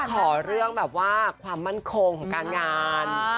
ขอเรื่องแบบว่าความมั่นคงของการงาน